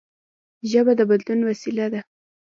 ژبه د بدلون وسیله ده.